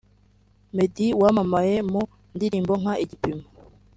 Meddy wamamaye mu ndirimbo nka ‘Igipimo’